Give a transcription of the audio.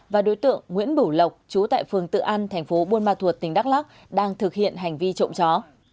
và đối tượng nguyễn bửu lộc chú tại phường tự an thành phố buôn ma thuột tỉnh đắk lắc đang thực hiện hành vi trộm chó